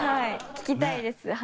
聞きたいです、話。